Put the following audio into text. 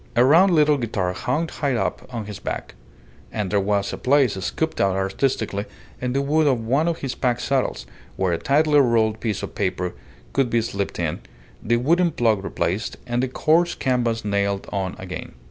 A round little guitar hung high up on his back; and there was a place scooped out artistically in the wood of one of his pack saddles where a tightly rolled piece of paper could be slipped in, the wooden plug replaced, and the coarse canvas nailed on again.